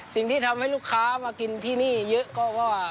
สิ่งที่ทำให้ลูกค้ามากินที่นี่เยอะก็ว่า